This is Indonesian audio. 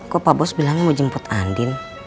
kok pak bos bilang mau jemput andin